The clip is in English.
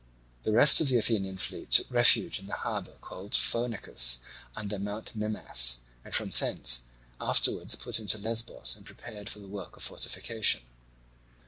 The rest of the Athenian fleet took refuge in the harbour called Phoenicus, under Mount Mimas, and from thence afterwards put into Lesbos and prepared for the work of fortification.